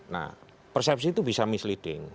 nah persepsi itu bisa misleading